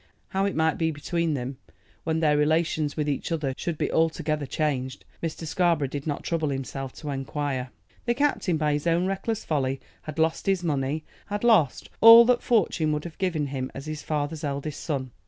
How it might be between them when their relations with each other should be altogether changed, Mr. Scarborough did not trouble himself to inquire. The captain by his own reckless folly had lost his money, had lost all that fortune would have given him as his father's eldest son.